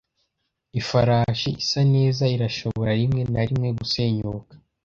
Ifarashi isa neza irashobora rimwe na rimwe gusenyuka.